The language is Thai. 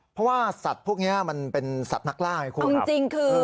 เพราะว่าสัตว์พวกเนี้ยมันเป็นสัตว์นักล่าให้คู่ครับเอาจริงคือ